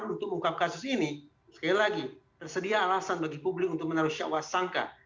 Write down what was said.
untuk mengungkap kasus ini sekali lagi tersedia alasan bagi publik untuk menaruh syakwa sangka